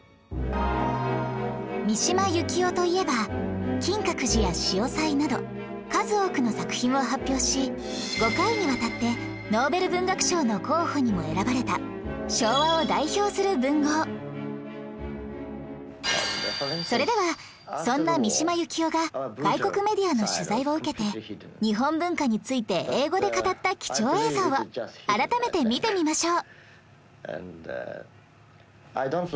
三島由紀夫といえば『金閣寺』や『潮騒』など数多くの作品を発表し５回にわたってそれではそんな三島由紀夫が外国メディアの取材を受けて日本文化について英語で語った貴重映像を改めて見てみましょう